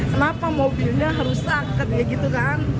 kenapa mobilnya rusak kayak gitu kan